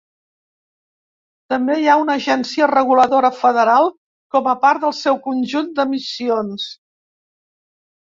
També hi ha una agència reguladora federal com a part del seu conjunt de missions.